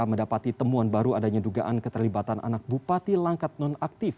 mendapati temuan baru adanya dugaan keterlibatan anak bupati langkat nonaktif